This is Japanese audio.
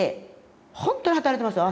本当に働いてますよ。